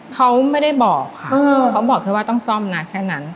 เขาไม่ได้บอกค่ะเขาบอกแค่ว่าต้องซ่อมนะแค่นั้น